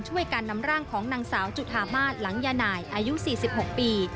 การนำร่างของนางสาวจุธามาศหลังยานายอายุ๔๖ปี